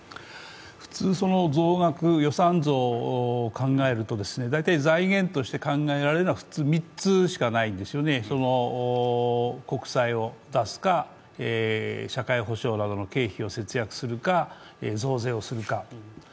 普通、増額、予算増を考えると大体財源として考えられるのは３つしかないんですよね、国債を出すか、社会保障などの経費を節約するか、増税をするか。